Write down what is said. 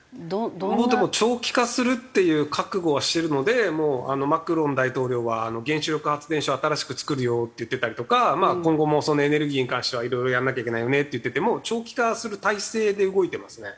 でも長期化するっていう覚悟はしてるのでマクロン大統領は原子力発電所新しく造るよって言ってたりとか今後もエネルギーに関してはいろいろやらなきゃいけないよねって言っててもう長期化する体制で動いてますね。